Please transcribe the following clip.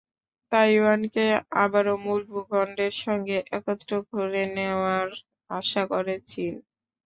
তাইওয়ানকে আবারও মূল ভূখণ্ডের সঙ্গে একত্র করে নেওয়ার আশা করে চীন।